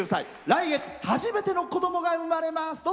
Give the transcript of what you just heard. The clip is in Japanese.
来月、初めての子どもが生まれます。